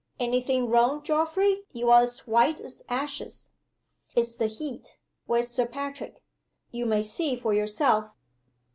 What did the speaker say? "Any thing wrong, Geoffrey? you're as white as ashes." "It's the heat. Where's Sir Patrick?" "You may see for yourself."